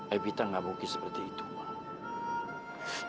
epita gak mungkin seperti itu ma